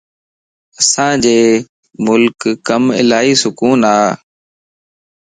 اسان جي ملڪ ڪم الائي سڪون ا